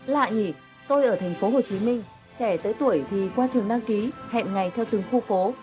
lại nhỉ tôi ở thành phố hồ chí minh trẻ tới tuổi thì qua trường đăng ký hẹn ngày theo từng khu phố